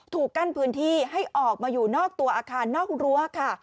กั้นพื้นที่ให้ออกมาอยู่นอกตัวอาคารนอกรั้วค่ะ